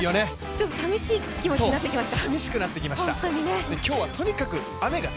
ちょっと寂しい気持ちになってきました。